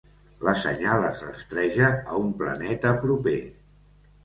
La senyal es rastreja a un planeta proper.